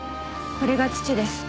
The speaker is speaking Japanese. これが父です。